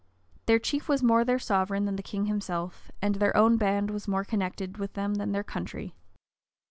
Their chief was more their sovereign than the king himself; and their own band was more connected with them than their country.